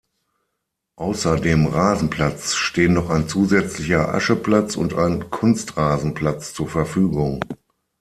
Außer dem Rasenplatz stehen noch ein zusätzlicher Ascheplatz und ein Kunstrasenplatz zur Verfügung.